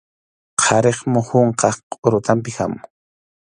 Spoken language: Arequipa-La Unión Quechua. Qharip muhunqa qʼurutanpi hamun.